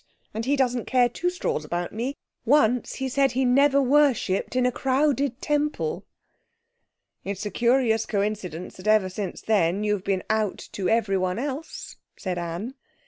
and he doesn't care two straws about me. Once he said he never worshipped in a crowded temple!' 'It's a curious coincidence that ever since then you've been out to everyone else,' said Anne.